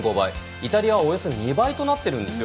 イタリアは、およそ２倍となっているんですよ。